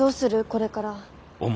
これから。